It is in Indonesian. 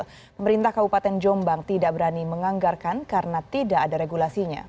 pemerintah kabupaten jombang tidak berani menganggarkan karena tidak ada regulasinya